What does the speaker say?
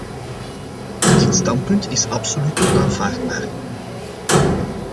Dit standpunt is absoluut onaanvaardbaar.